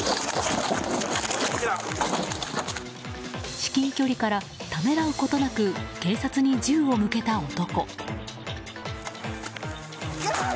至近距離からためらうことなく警察に銃を向けた男。